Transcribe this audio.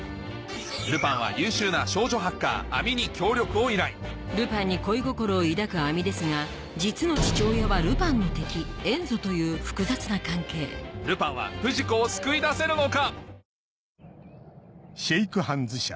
ルパンは優秀な少女ハッカーアミに協力を依頼ルパンに恋心を抱くアミですが実の父親はルパンの敵エンゾという複雑な関係ルパンは不二子を救い出せるのか？